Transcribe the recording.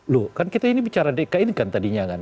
loh kan kita ini bicara dki kan tadinya kan